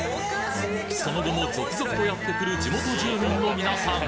その後も続々とやって来る地元住民の皆さん。